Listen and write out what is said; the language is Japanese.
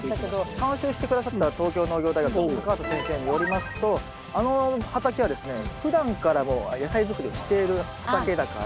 監修して下さった東京農業大学の畑先生によりますとあの畑はですねふだんからもう野菜づくりをしている畑だから。